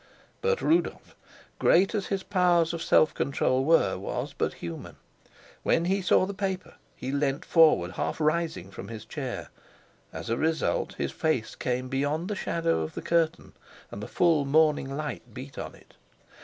But Rudolf, great as his powers of self control were, was but human. When he saw the paper, he leant forward, half rising from his chair. As a result, his face came beyond the shadow of the curtain, and the full morning light beat on it.